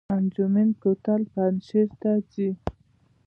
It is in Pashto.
انجمین کوتل پنجشیر ته ځي؟